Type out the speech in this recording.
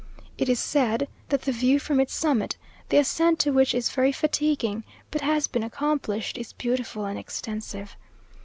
It is said that the view from its summit, the ascent to which is very fatiguing, but has been accomplished, is beautiful and extensive.